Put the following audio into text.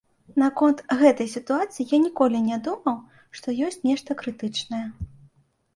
Наконт гэтай сітуацыі я ніколі не думаў, што ёсць нешта крытычнае.